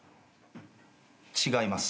違います。